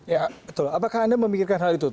ya betul apakah anda memikirkan hal itu